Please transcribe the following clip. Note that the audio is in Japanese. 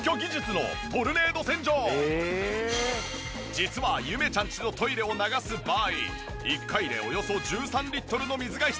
実はゆめちゃんちのトイレを流す場合１回でおよそ１３リットルの水が必要。